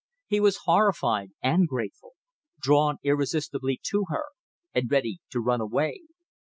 He was horrified and grateful; drawn irresistibly to her and ready to run away.